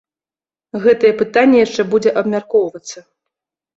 Гэтае пытанне яшчэ будзе абмяркоўвацца.